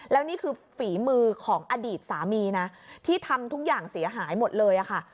แล้วนี่คือฝีมือของอดีตสามีนะที่ทำทุกอย่างเสียหายหมดเลยค่ะ